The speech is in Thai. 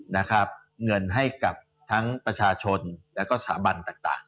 บริหารเงินให้ทั้งกองประชาชนและสถาบันต่าง